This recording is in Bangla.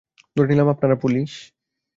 ধরে নিলাম আপনারা পুলিশ।